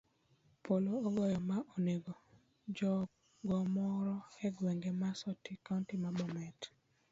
Polo ogoyo ma onego jago moro egwenge mag sotik, kaunti ma bomet .